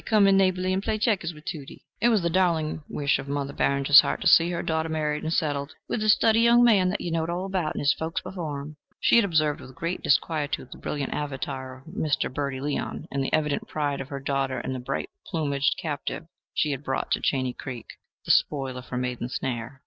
Come in neighborly and play checkers with Tudie." It was the darling wish of Mother Barringer's heart to see her daughter married and settled with "a stiddy young man that you knowed all about, and his folks before him." She had observed with great disquietude the brilliant avatar of Mr. Bertie Leon and the evident pride of her daughter in the bright plumaged captive she had brought to Chaney Creek, the spoil of her maiden snare.